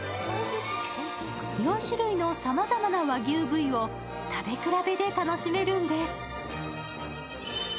４種類のさまざまや和牛部位を食べ比べで楽しめるんです。